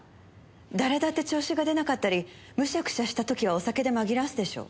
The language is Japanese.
誰だって調子がでなかったりムシャクシャした時はお酒で紛らわすでしょ？